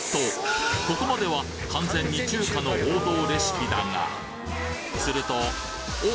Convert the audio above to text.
とここまでは完全に中華の王道レシピだがするとお！